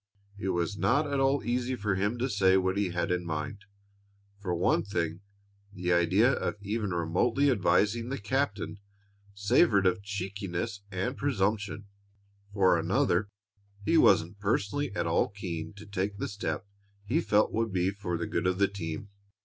It was not at all easy for him to say what he had in mind. For one thing, the idea of even remotely advising the captain savored of cheekiness and presumption; for another, he wasn't personally at all keen to take the step he felt would be for the good of the team.